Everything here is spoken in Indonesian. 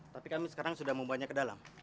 tapi kami sekarang sudah membawanya ke dalam